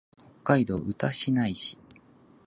北海道歌志内市